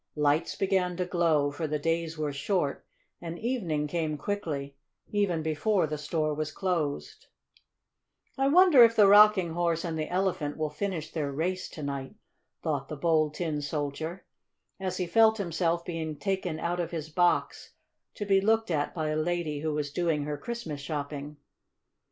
Lights began to glow, for the days were short and evening came quickly even before the store was closed. "I wonder if the Rocking Horse and the Elephant will finish their race tonight?" thought the Bold Tin Soldier, as he felt himself being taken out of his box to be looked at by a lady who was doing her Christmas shopping.